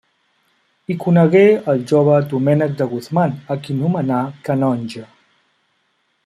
Hi conegué el jove Domènec de Guzmán a qui nomenà canonge.